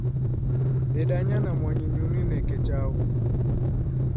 Dedanya na mwanyinyu unineke chaghu.